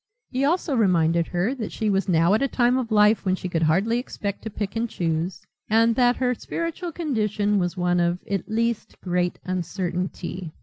He also reminded her that she was now at a time of life when she could hardly expect to pick and choose and that her spiritual condition was one of, at least, great uncertainty.